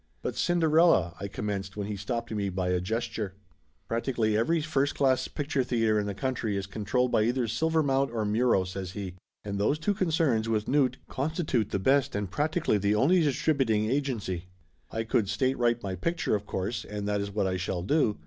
"But Cinderella " I commenced when he stopped me by a gesture. "Practically every first class picture theater in the country is controlled by either Silvermount or Muro," says he. "And those two concerns, with Knute, con stitute the best and practically the only distributing agency. I could state right my picture, of course, and that is what I shall do.